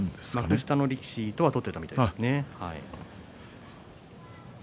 幕下の力士とは取ったみたいですね。